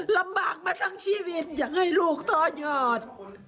ลำบากมาทั้งชีวิตอยากให้ลูกต่อยอด